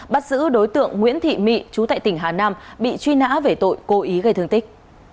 bắt giữ đối tượng nguyễn thị mị chú tại tỉnh hà nam bị truy nã về tội cố ý gây thương tích